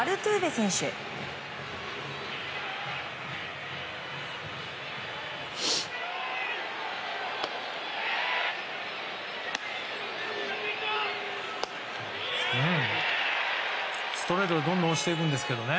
ストレートでどんどん押していくんですけどね。